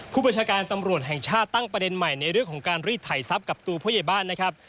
ประชาการตำรวจแห่งชาติตั้งประเด็นใหม่ในเรื่องของการรีดไถทรัพย์กับตัวผู้ใหญ่บ้านนะครับ